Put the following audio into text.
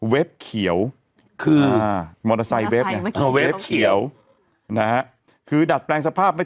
เว็บเขียวคืออ่าเว็บเขียวนะฮะคือดัดแปลงสภาพไม่